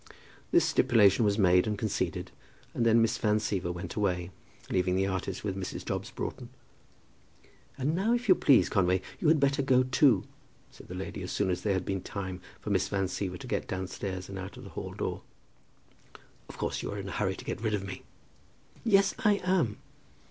This stipulation was made and conceded, and then Miss Van Siever went away, leaving the artist with Mrs. Dobbs Broughton. "And now, if you please, Conway, you had better go too," said the lady, as soon as there had been time for Miss Van Siever to get downstairs and out of the hall door. "Of course you are in a hurry to get rid of me." "Yes, I am."